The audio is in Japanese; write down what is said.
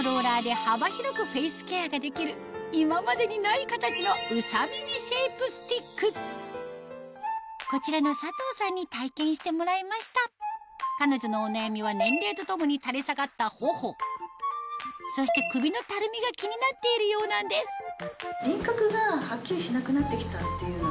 今までにない形のこちらの佐藤さんに体験してもらいました彼女のお悩みは年齢とともに垂れ下がった頬そして首のたるみが気になっているようなんですあやだ。